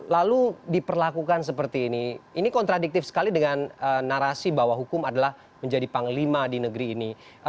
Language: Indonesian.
lalu diperlakukan seperti ini ini kontradiktif sekali dengan narasi bahwa hukum adalah menjadi panglima di negeri ini